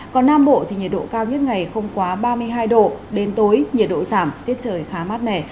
còn nam bộ thì nhiệt độ cao nhất ngày không quá ba mươi hai độ đến tối nhiệt độ giảm tiết trời khá mát mẻ